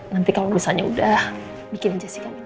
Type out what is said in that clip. nanti kalau misalnya udah bikin jessica minta ya pak